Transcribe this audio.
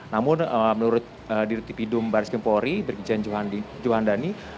namun menurut dirtipi dumbaris kempori berikian johan dhani